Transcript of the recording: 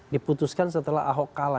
diputuskan setelah ahok kalah